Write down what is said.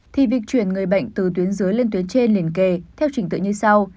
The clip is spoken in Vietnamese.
thì việc chuyển người bệnh từ tuyến dưới lên tuyến trên liền kề theo trình tự như sau